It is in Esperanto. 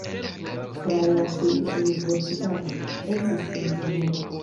Trajan finis universitaton, estis inĝeniero.